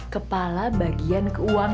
kepala bagian keuangan